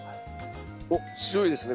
おっ強いですね